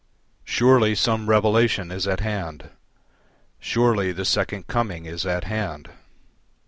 Surely some revelation is at hand; Surely the Second Coming is at hand.